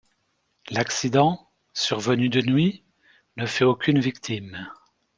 L'accident, survenu de nuit, ne fait aucune victime.